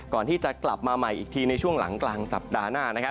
ก่อนที่จะกลับมาใหม่อีกทีในช่วงหลังกลางสัปดาห์หน้านะครับ